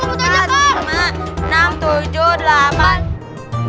eh udah ngomong aja kok